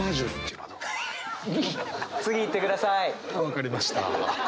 はい、分かりました。